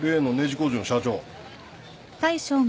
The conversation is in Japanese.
工場の社長。